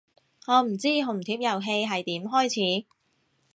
我唔知紅帖遊戲係點開始